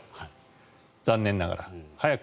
残念ながら。